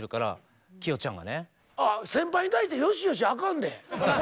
先輩に対して「よしよし」あかんで。